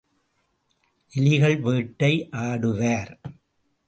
எலிகள் வேட்டை ஆடுவார்.